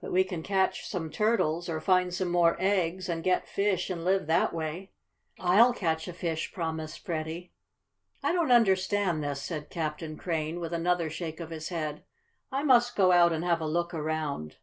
"But we can catch some turtles, or find some more eggs, and get fish, and live that way." "I'll catch a fish," promised Freddie. "I don't understand this," said Captain Crane, with another shake of his head. "I must go out and have a look around."